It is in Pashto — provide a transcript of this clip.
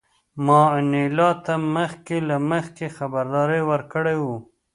ما انیلا ته مخکې له مخکې خبرداری ورکړی و